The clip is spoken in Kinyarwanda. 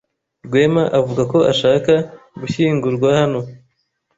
Rwema avuga ko ashaka gushyingurwa hano.